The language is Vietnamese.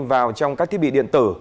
vào trong các thiết bị điện tử